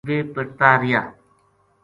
ویہ پِٹتا رہیا